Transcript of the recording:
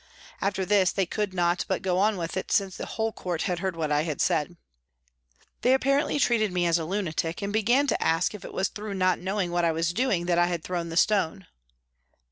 After this, they could not but go on with it, since the whole court had heard what I had said. They apparently treated me as a lunatic, and began to ask if it was through not knowing what I was doing that I had thrown a stone